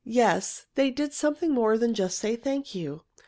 Yes, they did something more than just say "thank you."